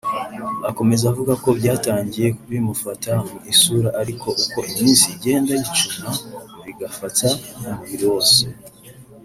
Akomeza avuga ko byatangiye bimufata mu isura ariko uko iminsi igenda yicuma bigafata n’umubiri wose